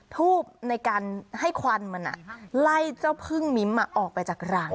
ทูบในการให้ควันมันไล่เจ้าพึ่งมิ้มออกไปจากรัง